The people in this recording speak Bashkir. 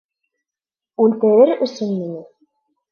Үлтерер өсөнмө ни?